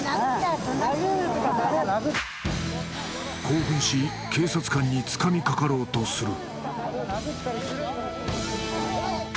興奮し警察官に掴みかかろうとする